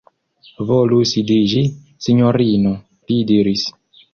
Volu sidiĝi, sinjorino, li diris.